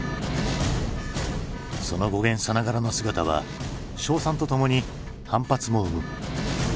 その語源さながらの姿は称賛とともに反発も生む。